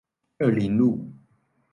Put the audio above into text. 二苓路